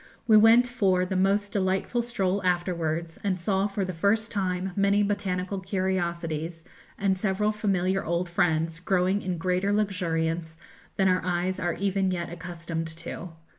We went for the most delightful stroll afterwards, and saw for the first time many botanical curiosities, and several familiar old friends growing in greater luxuriance than our eyes are even yet accustomed to.